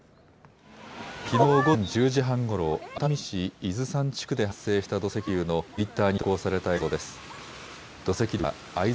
きのう午前１０時半ごろ、熱海市伊豆山地区で発生した土石流のツイッターに投稿された映像です。